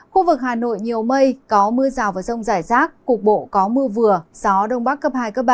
khu vực hà nội nhiều mây có mưa rào và rông rải rác cục bộ có mưa vừa gió đông bắc cấp hai ba